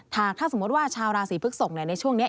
ถ้าสมมุติว่าชาวราศีพฤกษกในช่วงนี้